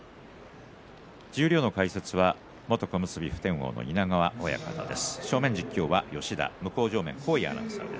十両の解説は元小結普天王の稲川親方です。